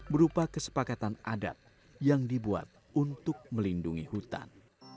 berupa kesepakatan adat yang dibuat untuk melindungi hutan